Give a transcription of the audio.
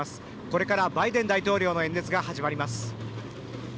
これからバイデン大統領の演説が始まります。